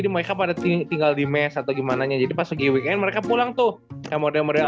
mereka pada tinggal di mes atau gimananya jadi pas lagi weekend mereka pulang tuh kayak model model